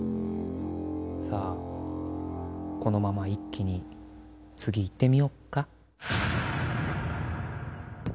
さあこのまま一気に次いってみよっか？